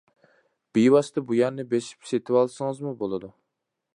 بىۋاسىتە بۇ يەرنى بېسىپ سېتىۋالسىڭىزمۇ بولىدۇ!